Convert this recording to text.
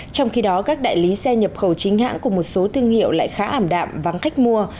trong khi đó các đại lý xe nhập khẩu chính hãng cùng một số thương hiệu lại khá ảm đạm vắng khách mua